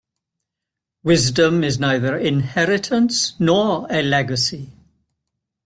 Wisdom is neither inheritance nor a legacy.